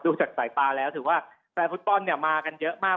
ดูจากสายปลาแล้วถือว่าแฟนฟุตบอลมากกันเยอะมาก